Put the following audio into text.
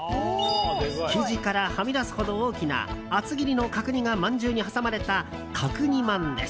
生地からはみ出すほど大きな厚切りの角煮がまんじゅうに挟まれた角煮まんです。